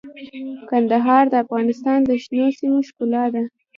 کندهار د افغانستان د شنو سیمو ښکلا ده.